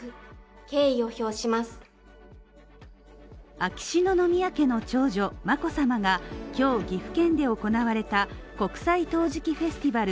秋篠宮家の長女眞子さまが今日岐阜県で行われた国際陶磁器フェスティバル